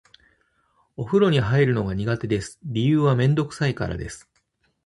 お風呂に入るのが苦手です。理由はめんどくさいからです。